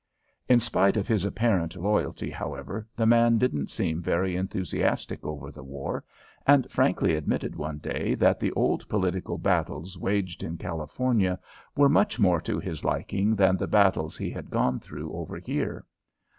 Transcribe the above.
In spite of his apparent loyalty, however, the man didn't seem very enthusiastic over the war and frankly admitted one day that the old political battles waged in California were much more to his liking than the battles he had gone through over here.